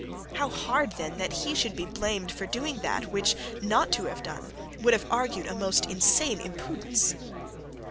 How hard then that he should be blamed for doing that which not to have done would have argued a most insane imprudence!